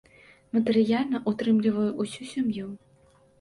Матэрыяльна ўтрымліваў усю сям'ю.